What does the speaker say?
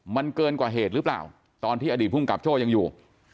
มันเกินกว่าเหตุรึเปล่าตอนที่อดีตพกโฆษธ์ยังอยู่